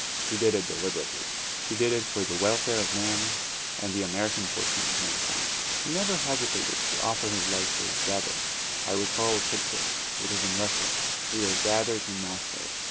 He did it deliberately. He did it for the wel fare of men, and the American portion of mankind. He never hesitated to offer his life for his brother. I recall a picture; it is in Russia. We were gathered in Moscow.